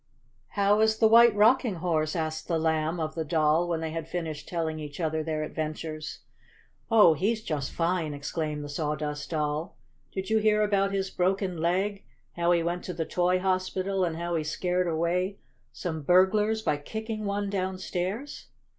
"How is the White Booking Horse?" asked the Lamb of the Doll, when they had finished telling each other their adventures. "Oh, he's just fine!" exclaimed the Sawdust Doll. "Did you hear about his broken leg, how he went to the Toy Hospital, and how he scared away some burglars by kicking one downstairs?"